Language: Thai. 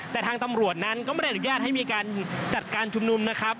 แต่ทางตำรวจนั้นก็ไม่ได้อนุญาตให้มีการจัดการชุมนุมนะครับ